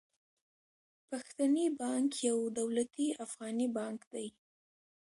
پښتني بانک يو دولتي افغاني بانک دي.